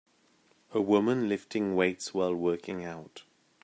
A woman lifting weights while working out.